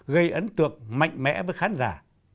gây ấn tượng mạnh mẽ với khán giả